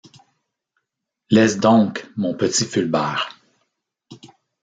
Laisse donc, mon petit Fulbert...